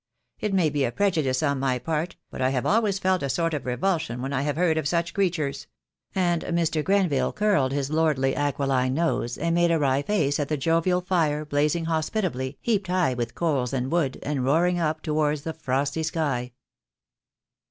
It may be a prejudice on my part, but I have always felt a sort of revulsion when I 214 THE DAY WILL COME. have heard of such creatures," and Mr. Grenville curled his lordly aquiline nose, and made a wry face at the jovial fire, blazing hospitably, heaped high with coals and wood, and roaring up towards the frosty sky.